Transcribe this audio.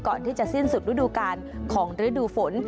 ก่อนที่จะสิ้นสุดฤดูกาลของฤดูฝน